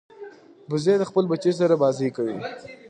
وزې د خپل بچي سره لوبې کوي